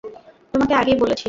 তোমাকে আগেই বলেছিলাম।